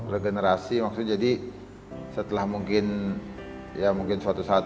regenerasi maksudnya jadi setelah mungkin ya mungkin suatu saat